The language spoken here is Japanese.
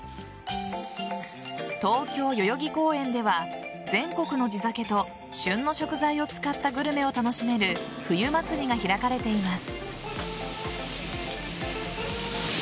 東京・代々木公園では全国の地酒と旬の食材を使ったグルメを楽しめる冬祭が開かれています。